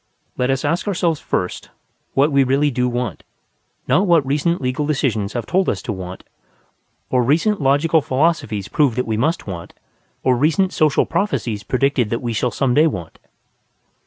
Let us ask ourselves first what we really do want, not what recent legal decisions have told us to want, or recent logical philosophies proved that we must want, or recent social prophecies predicted that we shall some day want.